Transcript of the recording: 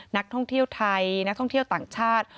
นักท่องเที่ยวไทยนักท่องเที่ยวต่างชาติ